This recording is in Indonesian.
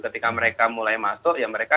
ketika mereka mulai masuk ya mereka